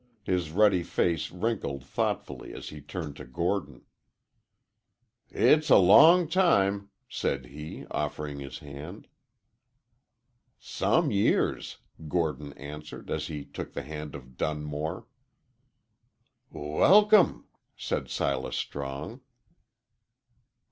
His ruddy face wrinkled thoughtfully as he turned to Gordon. "It's a long time," said he, offering his hand. "Some years," Gordon answered, as he took the hand of Dunmore. "W welcome!" said Silas Strong.